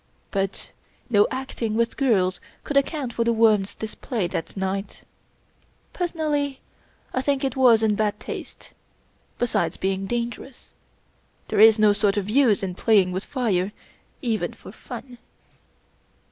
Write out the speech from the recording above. But no acting with girls could account for The Worm's display that night. Personally, I think it was in bad taste. Besides being dangerous. There is no sort of use in play ing with fire, even for fun.